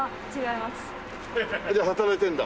じゃあ働いてるんだ？